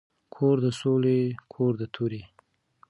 کور د ســــولي کـــــور د تَُوري